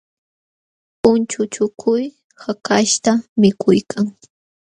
Unchuchukuy hakaśhta mikuykan